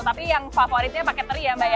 tapi yang favoritnya pakai teri ya mbak ya